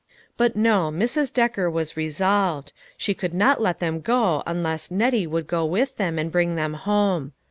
But no, Mrs. Decker was resolved ; she could not let them go unless Nettie would go with them and bring them home.